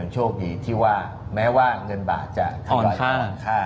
โชคดีที่ว่าแม้ว่าเงินบาทอ่อนค่า